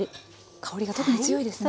香りが特に強いですね。